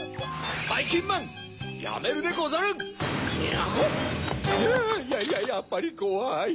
やっぱりこわい。